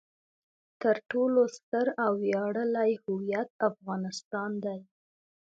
تر ټولو ستر او ویاړلی هویت افغانستان دی.